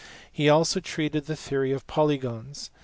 He also treated the theory of polygons.